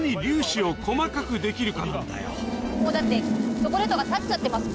もうだってチョコレートが立っちゃってます。